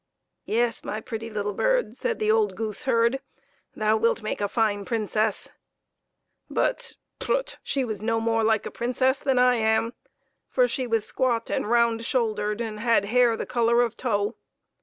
" Yes, my pretty little bird," said the old goose herd, " thou wilt make a fine Princess !" But, prut! she was no more like a Princess than I am, for she was squat, and round shouldered, and had hair of the color of tow.